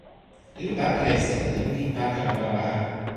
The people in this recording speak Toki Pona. ni li pakala e sina. ni li pakala wawa a.